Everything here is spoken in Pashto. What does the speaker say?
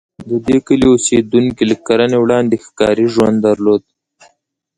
د دې کلي اوسېدونکي له کرنې وړاندې ښکاري ژوند درلود.